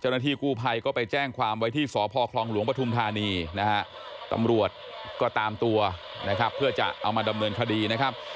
เจ้าหน้าที่กู้ภัยก็ไปแจ้งความไว้ที่สพคลองหลวงปฐุมธานีนะฮะตำรวจก็ตามตัวนะครับเพื่อจะเอามาดำเนินคดีนะครับ